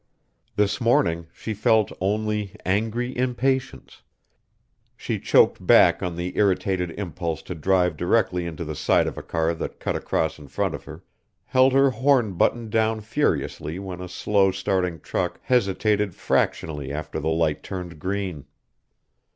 This morning she felt only angry impatience; she choked back on the irritated impulse to drive directly into the side of a car that cut across in front of her, held her horn button down furiously when a slow starting truck hesitated fractionally after the light turned green.